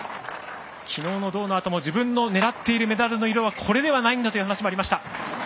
きょうの銅のあとも自分のねらっているメダルの色はこれではないんだという話もありました。